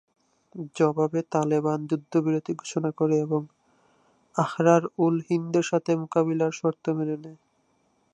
জবাবে তালেবান যুদ্ধবিরতি ঘোষণা করে এবং আহরার-উল-হিন্দ-এর সাথে মোকাবিলার শর্ত মেনে নেয়।